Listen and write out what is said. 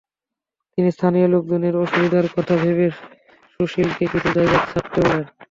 তিনি স্থানীয় লোকজনের অসুবিধার কথা ভেবে সুশীলকে কিছু জায়গা ছাড়তে বলেছেন।